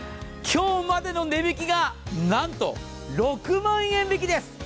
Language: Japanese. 今日までの値引きがなんと６万円引きです！